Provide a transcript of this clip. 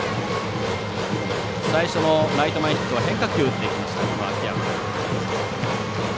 最初のライト前ヒットは変化球を打っていきました、秋山。